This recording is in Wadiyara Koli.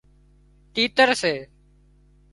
تيتر سي